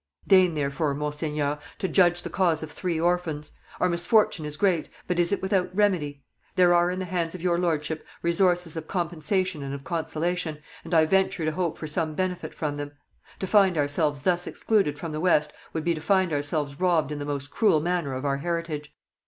Deign therefore, Monseigneur, to judge the cause of three orphans. Our misfortune is great, but is it without remedy? There are in the hands of your Lordship resources of compensation and of consolation, and I venture to hope for some benefit from them. To find ourselves thus excluded from the West would be to find ourselves robbed in the most cruel manner of our heritage.